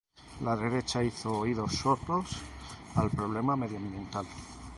La derecha hizo oídos sordos al problema medioambiental